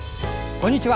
こんにちは。